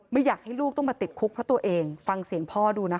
ไม่อยากให้ลูกต้องมาติดคุกเพราะตัวเองฟังเสียงพ่อดูนะคะ